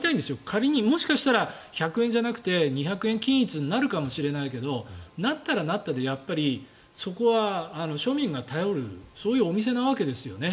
仮にもしかしたら１００円じゃなくて２００円均一になるかもしれないけどなったらなったでそこは庶民が頼るそういうお店なわけですよね。